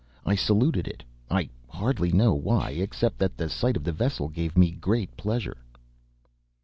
I saluted it, I hardly know why, except that the sight of the vessel gave me great pleasure.